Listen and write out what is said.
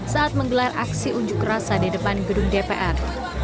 saat menggelar aksi unjuk rasa di depan gedung dpr